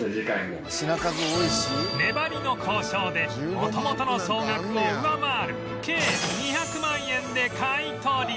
粘りの交渉で元々の総額を上回る計２００万円で買い取り